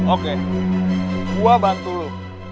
oke gue bantu lo